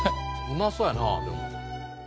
うまそうやなでも。